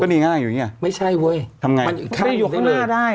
มันอยู่ข้างหน้าได้